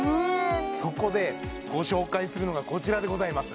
そこでご紹介するのがこちらでございます